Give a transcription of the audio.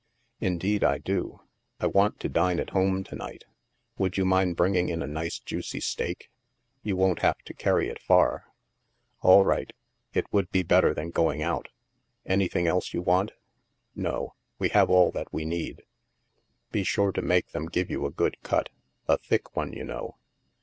" Indeed I do. I want to dine at home to night. Would you mind bringing in a nice juicy steak? You won't have to carry it far." "All right. It would be better than going out. Anything else you want ?"" No. We have all that we need. Be sure to make them give you a good cut; a thick one, you know."